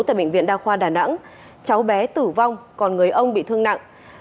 tại bệnh viện đa khoa đà nẵng cháu bé tử vong còn người ông bị thương nặng